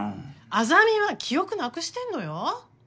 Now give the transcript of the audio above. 莇は記憶なくしてんのよ。